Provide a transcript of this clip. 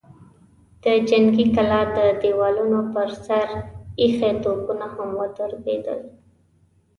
د جنګي کلا د دېوالونو پر سر ايښي توپونه هم ودربېدل.